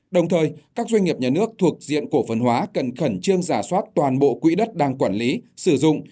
đồng thời các doanh nghiệp nhà nước thuộc diện cổ phân hóa cần khẩn trương giả soát toàn bộ quỹ đất đang quản lý sử dụng